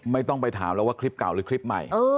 ไม่ต้องไปถามแล้วว่าคลิปเก่าหรือคลิปใหม่